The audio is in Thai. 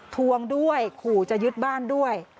ทวงด้วยขู่จะยึดบ้านด้วย